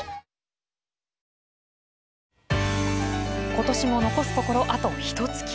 今年も残すところあとひとつき。